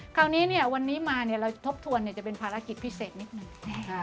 คราวนี้เนี่ยวันนี้มาเราทบทวนจะเป็นภารกิจพิเศษนิดหนึ่ง